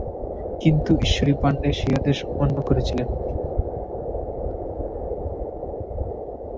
কিন্তু ঈশ্বরী পান্ডে সেই আদেশ অমান্য করেছিলেন।